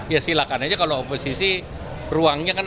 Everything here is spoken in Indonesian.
ya silakan aja kalau oposisi ruangnya kan